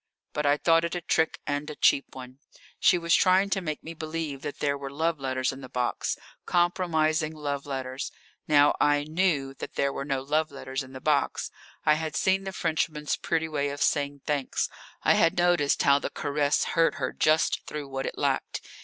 But I thought it a trick and a cheap one. She was trying to make me believe that there were love letters in the box compromising love letters. Now, I knew that there were no love letters in the box. I had seen the Frenchman's pretty way of saying thanks. I had noticed how the caress hurt her just through what it lacked.